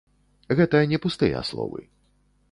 Гэта не пустыя словы.